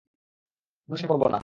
আমরা সেটা করব না।